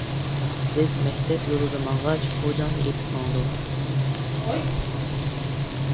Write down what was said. بىز مەكتەپ يولىدا ماڭغاچ پوجاڭزا ئېتىپ ماڭدۇق.